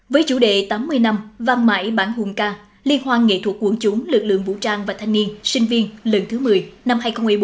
với chủ đề tám mươi năm và mãi bản hùng ca liên hoan nghệ thuật quân chúng lực lượng vũ trang và thanh niên sinh viên lần thứ một mươi năm hai nghìn một mươi bốn